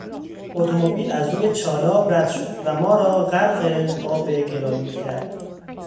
اتومبیل از روی چالاب رد شد و ما را غرق آب گل آلود کرد.